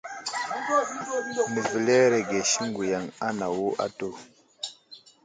Nəveleerege siŋgu yaŋ anawo atu.